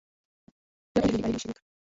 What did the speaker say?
Pia kundi liliahidi ushirika